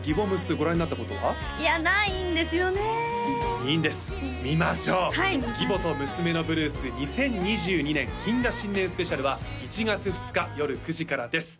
ご覧になったことは？いやないんですよねいいんです見ましょうはい見ます「義母と娘のブルース２０２２年謹賀新年スペシャル」は１月２日よる９時からです